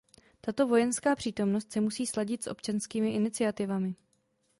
Tato vojenská přítomnost se musí sladit s občanskými iniciativami.